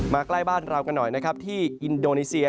มาใกล้บ้านเรากันหน่อยที่อินโดนีเซีย